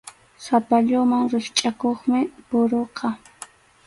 Sapalluman rikchʼakuqmi puruqa.